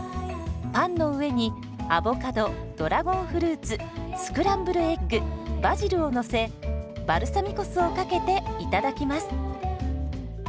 パンの上にアボカドドラゴンフルーツスクランブルエッグバジルをのせバルサミコ酢をかけていただきます。